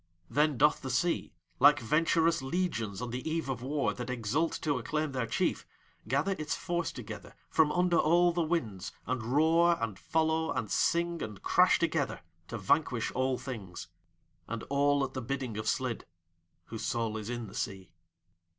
Then doth the Sea, like venturous legions on the eve of war that exult to acclaim their chief, gather its force together from under all the winds and roar and follow and sing and crash together to vanquish all things and all at the bidding of Slid, whose soul is in the sea.